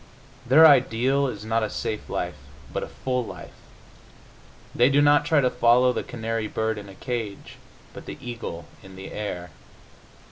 Their ideal is not a safe life, but a full life; they do not try to follow the canary bird in a cage, but the eagle in the air.